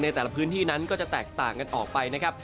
แต่ละพื้นที่นั้นก็จะแตกต่างกันออกไปนะครับ